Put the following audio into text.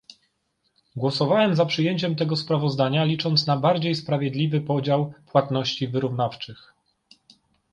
Głosowałem za przyjęciem tego sprawozdania licząc na bardziej sprawiedliwy podział płatności wyrównawczych